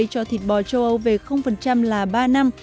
cho thịt bò châu âu về là ba năm